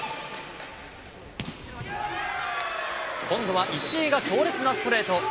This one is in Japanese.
今度は石井が強烈なストレート。